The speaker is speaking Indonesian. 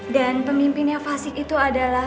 dan pemimpin yang fasik itu adalah